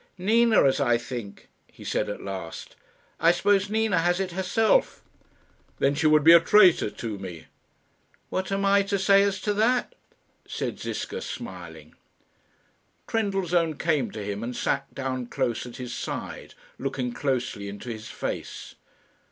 "Nina, as I think," he said at last. "I suppose Nina has it herself." "Then she would be a traitor to me." "What am I to say as to that?" said Ziska, smiling. Trendellsohn came to him and sat down close at his side, looking closely into his face.